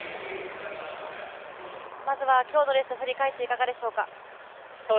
まずは今日のレース振り返っていかがでしょうか？